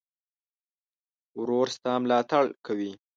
ورور ستا ملاتړ کوي.